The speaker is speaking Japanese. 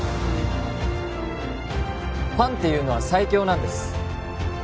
ファンっていうのは最強なんです